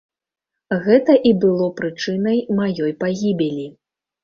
Гэта і было прычынай маёй пагібелі.